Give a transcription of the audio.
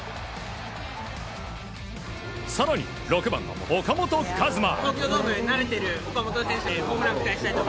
更に６番、岡本和真。